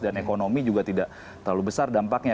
dan ekonomi juga tidak terlalu besar dampaknya